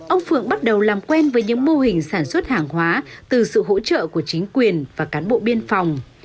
ông phượng bắt đầu làm quen với những mô hình sản xuất hàng hóa từ sự hỗ trợ của chính quyền và cán bộ biên phòng